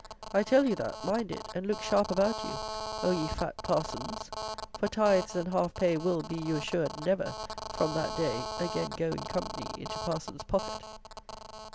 I tell you that; mind it; and look sharp about you, O ye fat parsons; for tithes and half pay will, be you assured, never, from that day, again go in company into parson's pocket.